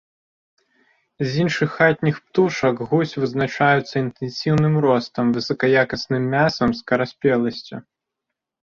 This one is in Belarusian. З іншых хатніх птушак гусь вызначаюцца інтэнсіўным ростам, высакаякасным мясам, скараспеласцю.